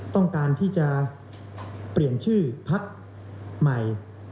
ต้องการที่จะเปลี่ยนชื่อพักใหม่